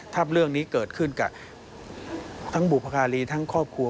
ถ้าเรื่องนี้เกิดขึ้นกับทั้งบุพการีทั้งครอบครัว